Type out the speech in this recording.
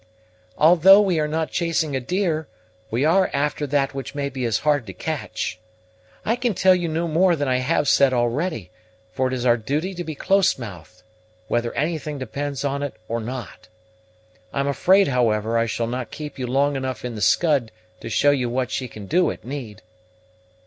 "Although we are not chasing a deer, we are after that which may be as hard to catch. I can tell you no more than I have said already; for it is our duty to be close mouthed, whether anything depends on it or not. I am afraid, however, I shall not keep you long enough in the Scud to show you what she can do at need."